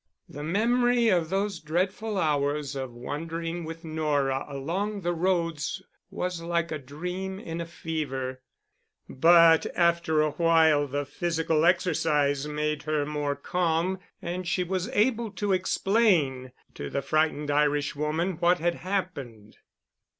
The memory of those dreadful hours of wandering with Nora along the roads was like a dream in a fever, but after awhile the physical exercise made her more calm and she was able to explain to the frightened Irish woman what had happened.